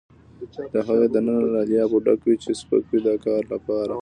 د هغې دننه له الیافو ډک وي چې سپک وي د کار لپاره.